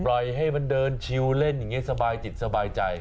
ไบให้มันเดินชิวเล่นสบายจิตสบายใจ